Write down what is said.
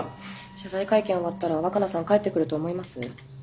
謝罪会見終わったら若菜さん帰ってくると思います？